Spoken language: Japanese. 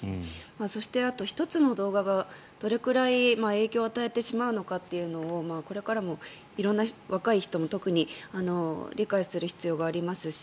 そして１つの動画がどれくらい影響を与えてしまうのかというのをこれからも色んな、若い人も特に理解する必要がありますし